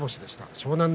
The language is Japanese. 湘南乃